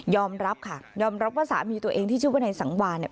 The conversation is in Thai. รับค่ะยอมรับว่าสามีตัวเองที่ชื่อว่าในสังวานเนี่ย